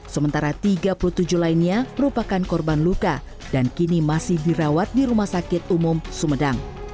sementara tiga puluh tujuh lainnya merupakan korban luka dan kini masih dirawat di rumah sakit umum sumedang